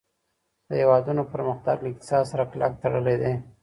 د هېوادونو پرمختګ له اقتصاد سره کلک تړلی دی.